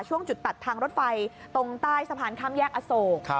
ช่วงจุดตัดทางรถไฟตรงใต้สะพานข้ามแยกอโศก